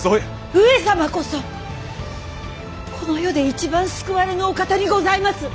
上様こそこの世で一番救われぬお方にございます！